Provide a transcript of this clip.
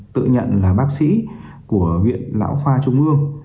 tự nhận là bác sĩ của viện lão khoa trung ương